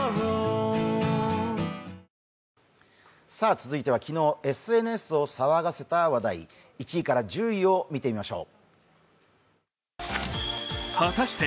続いては昨日、ＳＮＳを騒がせた話題、１位から１０位を見てみましょう。